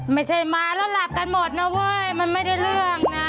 ไม่ใช่มาแล้วหลับกันหมดนะเว้ยมันไม่ได้เรื่องนะ